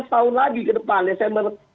setahun lagi ke depan desember